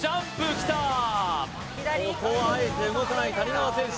来たここはあえて動かない谷川選手